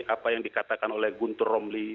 apa yang dikatakan oleh guntur romli